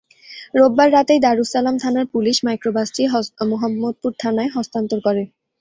রোববার রাতেই দারুস সালাম থানার পুলিশ মাইক্রোবাসটি মোহাম্মদপুর থানায় হস্তান্তর করে।